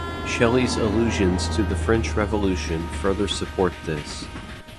Shelley's allusions to the French Revolution further support this.